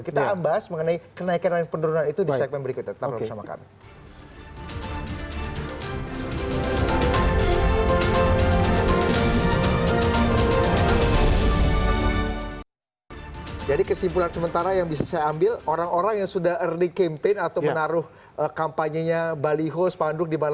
kita ambas mengenai kenaikan dan penurunan itu di segmen berikutnya